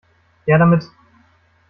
Her damit!